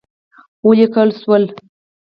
وليکل شول: